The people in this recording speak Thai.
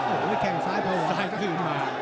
โอ้โหแข่งซ้ายพอแล้วซ้ายก็ถึงมา